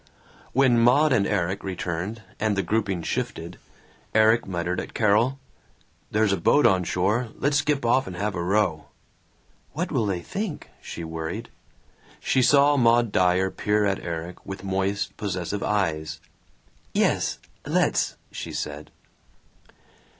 When Maud and Erik returned and the grouping shifted, Erik muttered at Carol, "There's a boat on shore. Let's skip off and have a row." "What will they think?" she worried. She saw Maud Dyer peer at Erik with moist possessive eyes. "Yes! Let's!" she said.